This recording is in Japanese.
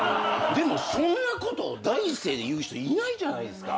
でもそんなこと第一声で言う人いないじゃないですか。